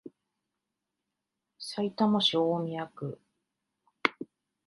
さいたま市大宮区